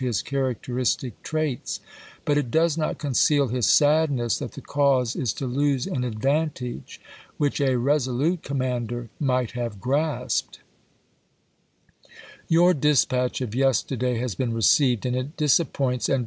his characteristic traits ; but it does not conceal his sadness that the cause is to lose an advantage which a resolute commander might have grasped : Your dispatch of yesterday has been received, and it disappoints and distresses me.